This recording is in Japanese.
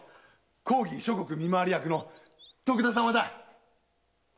公儀諸国見回り役の徳田様だ。